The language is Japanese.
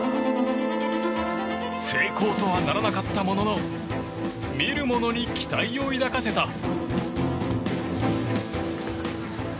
成功とはならなかったものの見る者に期待を抱かせた。